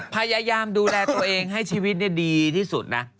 พยายามดูแลตัวเองให้ชีวิตดีที่สุดนะ